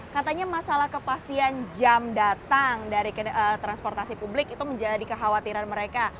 katanya masalah kepastian jam datang dari transportasi publik itu menjadi kekhawatiran mereka